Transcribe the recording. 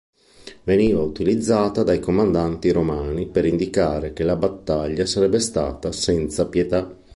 Veniva utilizzata dai comandanti romani per indicare che la battaglia sarebbe stata senza pietà.